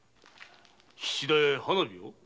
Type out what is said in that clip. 菱田屋が花火を？